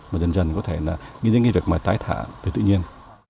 và dần dần có thể là những cái việc mà tái thả về tự nhiên